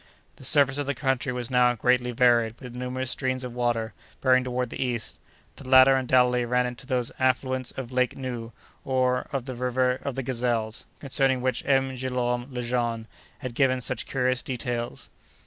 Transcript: The surface of the country was now greatly varied, with numerous streams of water, bearing toward the east. The latter, undoubtedly, ran into those affluents of Lake Nu, or of the River of the Gazelles, concerning which M. Guillaume Lejean has given such curious details.